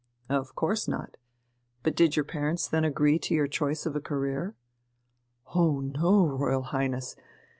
"Of course not.... But did your parents then agree to your choice of a career?" "Oh no, Royal Highness!